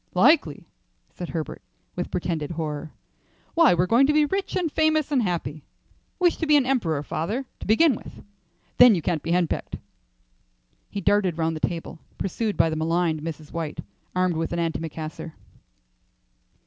"Likely," said Herbert, with pretended horror. "Why, we're going to be rich, and famous and happy. Wish to be an emperor, father, to begin with; then you can't be henpecked." He darted round the table, pursued by the maligned Mrs. White armed with an antimacassar.